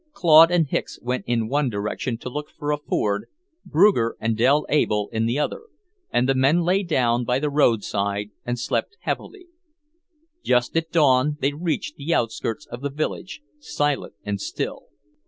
Claude and Hicks went in one direction to look for a ford, Bruger and Dell Able in the other, and the men lay down by the roadside and slept heavily. Just at dawn they reached the outskirts of the village, silent and still.